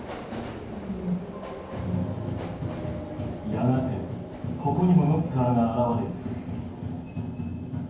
やがてここにもノッカーが現れる。